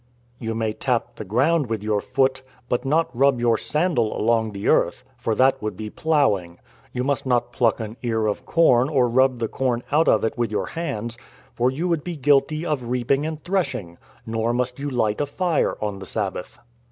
" You may tap the ground with your foot, but not rub your sandal along the earth — for that would be ploughing. You must not pluck an ear of corn or rub the corn out of it with your hands; for you would be guilty of reaping and threshing; nor must you light a fire on the Sabbath."